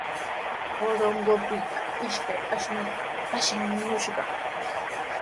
Corongopita ishkay ashnuta traachimushqa.